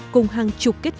cùng hàng chục kết quả khác